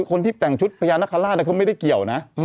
คนที่แต่งชุดพญานาคาราชเขาไม่ได้เกี่ยวนะ